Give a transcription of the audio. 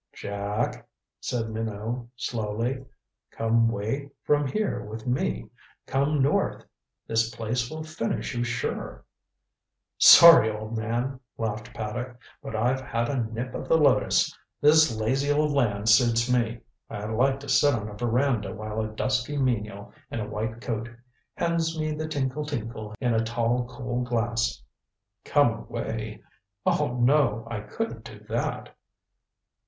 "Jack," said Minot slowly, "come way from here with me. Come north. This place will finish you sure." "Sorry, old man," laughed Paddock, "but I've had a nip of the lotus. This lazy old land suits me. I like to sit on a veranda while a dusky menial in a white coat hands me the tinkle tinkle in a tall cool glass. Come away? Oh, no I couldn't do that."